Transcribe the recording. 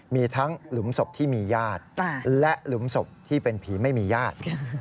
มีทั้งหลุมศพที่มีญาติและหลุมศพที่เป็นผีไม่มีญาติ